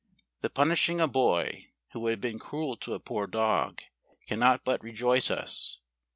The punishing a boy, who had been cruel to a poor dog, cannot but rejoice us.